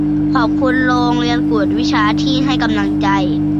ขอบคุณโรงเรียนกวดวิชาที่ให้กำลังใจ